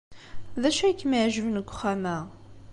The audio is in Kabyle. D acu ay kem-iɛejben deg uxxam-a?